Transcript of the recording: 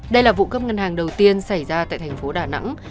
đây là vụ cướp ngân hàng đầu tiên xảy ra tại thành phố đà nẵng